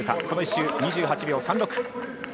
この１周２８秒３６。